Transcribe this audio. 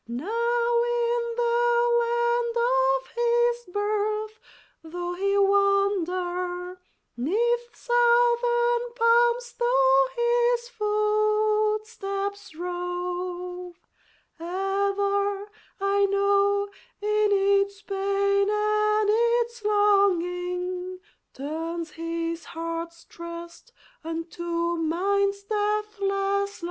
Now in the land of his birth though he wander, 'Neath Southern palms tho' his footsteps rove, Ever, I know, in its pain and its longing, Turns his heart's trust unto mine's deathless love!